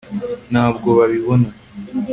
ntabwo babibona